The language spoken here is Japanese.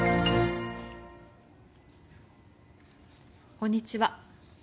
こんにちは。